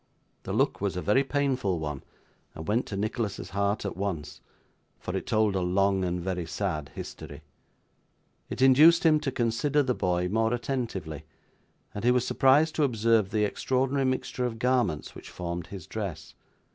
The look was a very painful one, and went to Nicholas's heart at once; for it told a long and very sad history. It induced him to consider the boy more attentively, and he was surprised to observe the extraordinary mixture of garments which formed his dress.